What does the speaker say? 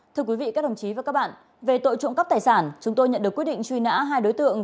thưa quý vị các đồng chí và các bạn về tội trộm cắp tài sản chúng tôi nhận được quyết định truy nã hai đối tượng